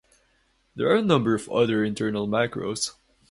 There are a number of other internal macros.